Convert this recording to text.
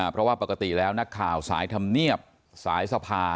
เพราะว่าปกติแล้วนักข่าวสายธรรมเนียบสายสภา